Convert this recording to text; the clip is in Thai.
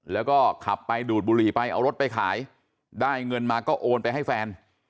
แล้วก็ขับไปดูดบุหรี่ไปเอารถไปขายได้เงินมาก็โอนไปให้แฟน